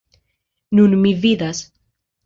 Nun mi vidas.